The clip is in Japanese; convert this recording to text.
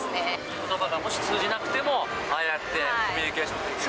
ことばが通じなくても、ああやってコミュニケーション取って。